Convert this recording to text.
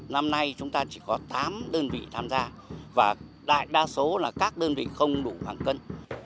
năm nay chúng ta chỉ có tám đơn vị tham gia và đa số là các đơn vị không đủ hàng cân